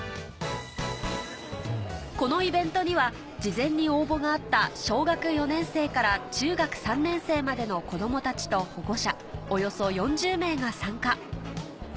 このイベントには事前に応募があった小学４年生から中学３年生までの子どもたちと保護者およそ４０名が参加